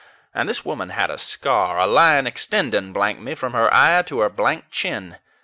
And this woman had a scar a line extending, blank me, from her eye to her blank chin.